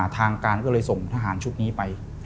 ทางการก็เลยส่งทหารชุดนี้ไป